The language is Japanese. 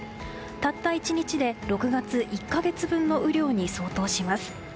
たった１日で６月１か月分の雨量に相当します。